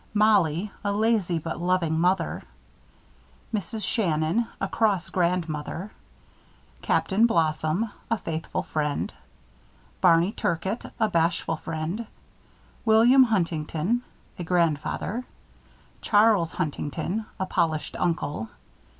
MOLLIE: A Lazy but Loving Mother. MRS. SHANNON: A Cross Grandmother. CAPTAIN BLOSSOM: A Faithful Friend. BARNEY TURCOTT: A Bashful Friend. WILLIAM HUNTINGTON: A Grandfather. CHARLES HUNTINGTON: A Polished Uncle.